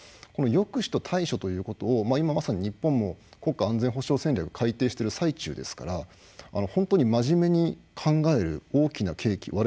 この抑止と対処ということを今まさに日本も国家安全保障戦略を改定している最中ですから本当に真面目に考える大きな契機